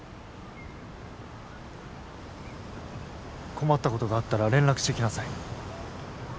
困った事があったら連絡してきなさい。